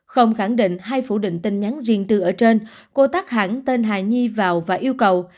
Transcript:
không khẳng định hai phủ định tin nhắn riêng tư ở trên cô tắc hẳn tên hà nhi vào và yêu cầu